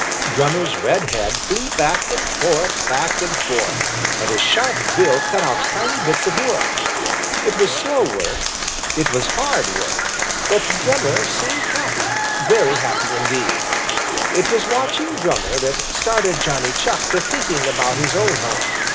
Drummer's red head flew back and forth, back and forth, and his sharp bill cut out tiny bits of wood. It was slow work; it was hard work. But Drummer seemed happy, very happy indeed. It was watching Drummer that started Johnny Chuck to thinking about his own home.